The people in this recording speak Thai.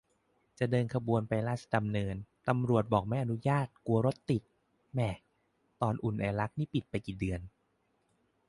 จะเดินขบวนไปราชดำเนิน ตำรวจบอกไม่อนุญาต กลัวรถติด แหม่ ตอน อุ่นไอรัก นี่ปิดกี่เดือน